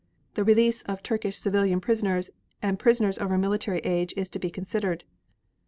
The release of Turkish civilian prisoners and prisoners over military age is to be considered.